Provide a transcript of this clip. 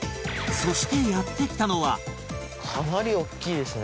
そしてやって来たのは